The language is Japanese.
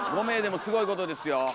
５名でもすごいことですよ。